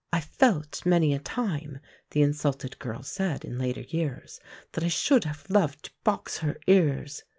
"I felt many a time," the insulted girl said in later years, "that I should have loved to box her ears."